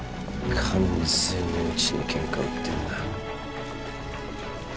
完全にうちにケンカ売ってんな